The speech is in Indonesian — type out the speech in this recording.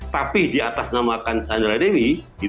tapi di atas namakan sandra dewi